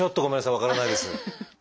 分からないです。